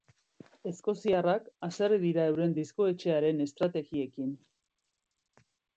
Eskoziarrak haserre dira euren diskoetxearen estrategiekin.